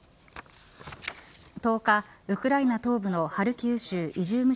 １０日ウクライナ東部のハルキウ州イジューム